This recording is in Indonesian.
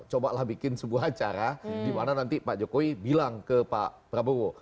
cobalah bikin sebuah acara dimana nanti pak jokowi bilang ke pak ganjar pranowo